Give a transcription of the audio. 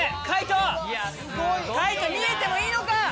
海人見えてもいいのか？